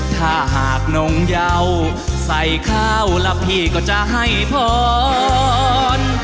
ถ้าหากน้องเยาใส่เข้าละพี่ก็จะให้พร